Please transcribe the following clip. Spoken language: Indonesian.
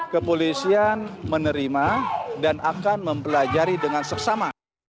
kepolisian menerima dan akan mempelajari dengan seksama